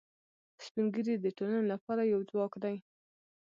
سپین ږیری د ټولنې لپاره یو ځواک دي